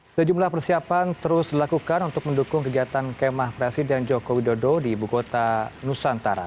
sejumlah persiapan terus dilakukan untuk mendukung kegiatan kemah presiden joko widodo di ibu kota nusantara